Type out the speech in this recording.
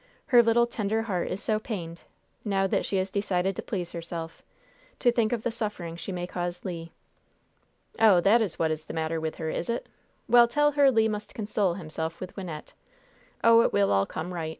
Her little, tender heart is so pained now that she has decided to please herself to think of the suffering she may cause Le." "Oh, that is what is the matter with her, is it? Well, tell her Le must console himself with Wynnette! Oh, it will all come right!